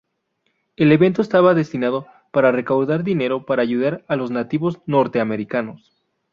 El evento estaba destinado para recaudar dinero para ayudar a los nativos norteamericanos.